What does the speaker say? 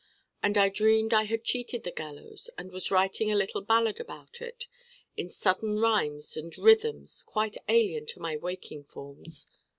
And I dreamed I had cheated the gallows and was writing a little ballad about it in sudden rhymes and rhythms quite alien to my waking forms.